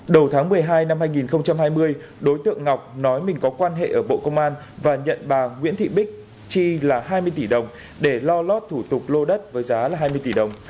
đầu tháng một mươi hai năm hai nghìn hai mươi đối tượng ngọc nói mình có quan hệ ở bộ công an và nhận bà nguyễn thị bích chi là hai mươi tỷ đồng để lo lót thủ tục lô đất với giá là hai mươi tỷ đồng